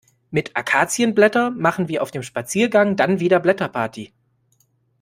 Mit Akazienblätter machen wir auf dem Spaziergang dann wieder Blätterparty.